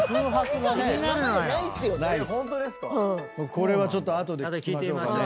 これはちょっと後で聞きましょうかね。